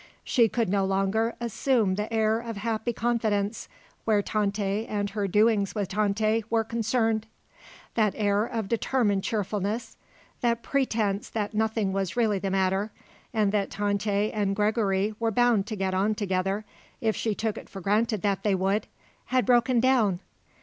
She could no longer assume the air of happy confidence where Tante and her doings with Tante were concerned. That air of determined cheerfulness, that pretence that nothing was really the matter and that Tante and Gregory were bound to get on together if she took it for granted that they would, had broken down.